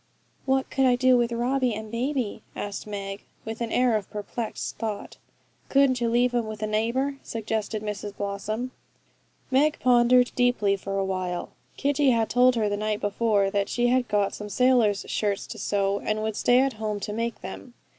'What could I do with Robbie and baby?' asked Meg, with an air of perplexed thought. 'Couldn't you leave 'em with a neighbour?' suggested Mrs Blossom. Meg pondered deeply for a while. Kitty had told her the night before that she had got some sailors' shirts to sew, and would stay at home to make them.